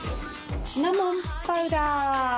シナモンパウダー。